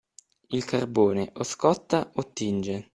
Il carbone o scotta o tinge.